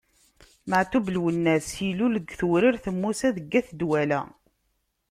Meɛtub Lwennas ilul deg Tewrirt Musa deg At Dwala.